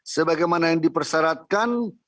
sebagaimana yang diperseratkan